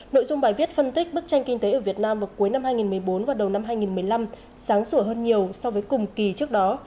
nội dung bài viết phân tích bức tranh kinh tế ở việt nam vào cuối năm hai nghìn một mươi bốn và đầu năm hai nghìn một mươi năm sáng sủa hơn nhiều so với cùng kỳ trước đó